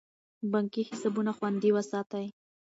بانکي حسابونه خوندي وساتئ.